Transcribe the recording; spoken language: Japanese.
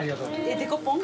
デコポン？